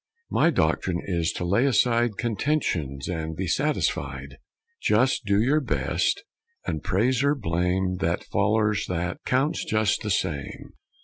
My doctern is to lay aside Contensions, and be satisfied: Jest do your best, and praise er blame That follers that, counts jest the same.